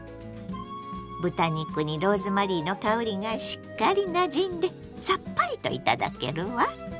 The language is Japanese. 豚肉にローズマリーの香りがしっかりなじんでさっぱりといただけるわ。